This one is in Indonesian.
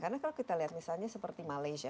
karena kalau kita lihat misalnya seperti malaysia